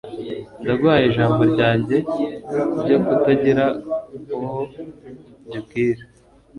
Ndaguhaye ijambo ryanjye ryo kutagira uwo mbibwira